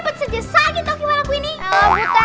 kau itu yang buat aku rebut